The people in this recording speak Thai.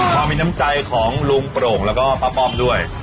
ความมีน้ำใจของลุงโปร่งแล้วก็ป้าป้อมด้วย